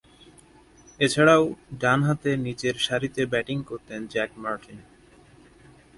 এছাড়াও, ডানহাতে নিচের সারিতে ব্যাটিং করতেন জ্যাক মার্টিন।